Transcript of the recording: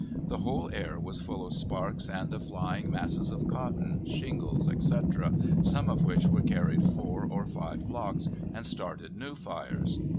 The whole air was full of sparks and of flying masses of cotton, shingles, etc., some of which were carried four or five blocks, and started new fires.